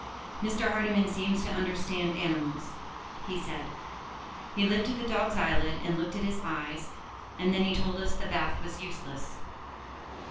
"Mr. Hardyman seems to understand animals," he said. "He lifted the dog's eyelid and looked at his eyes, and then he told us the bath was useless."